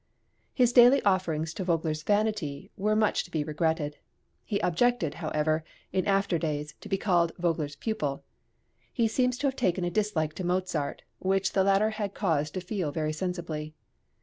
His daily offerings to Vogler's vanity were much to be regretted; he objected, however, in after days to be called Vogler's pupil. He seems to have taken a dislike to Mozart, which the latter had cause to feel very sensibly.